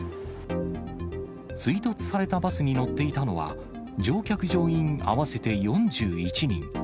追突されたバスに乗っていたのは、乗客・乗員合わせて４１人。